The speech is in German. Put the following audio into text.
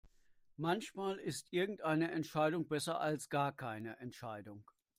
Manchmal ist irgendeine Entscheidung besser als gar keine Entscheidung.